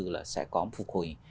là sẽ có một phục hồi